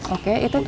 oke itu tujuannya